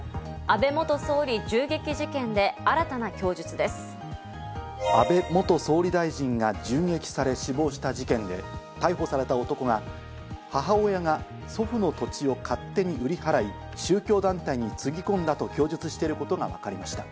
安倍元総理大臣が銃撃され死亡した事件で逮捕された男が母親が祖父の土地を勝手に売り払い、宗教団体につぎ込んだと供述していることがわかりました。